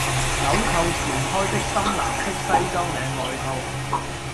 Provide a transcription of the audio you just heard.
鈕扣全開的深藍色西裝領外套